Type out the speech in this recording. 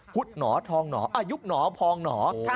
หนอทองหนออายุหนอพองหนอ